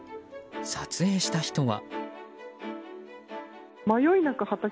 撮影した人は。